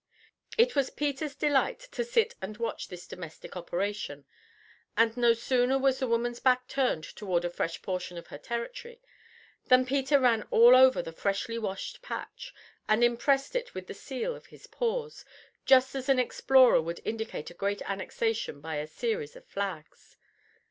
It was Peter's delight to sit and watch this domestic operation; and no sooner was the woman's back turned towards a fresh portion of her territory than Peter ran all over the freshly washed patch and impressed it with the seal of his paws, just as an explorer would indicate a great annexation by a series of flags.